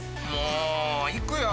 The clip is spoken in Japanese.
もういくよ？